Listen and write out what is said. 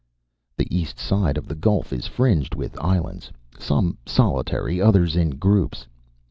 The east side of the gulf is fringed with islands, some solitary, others in groups.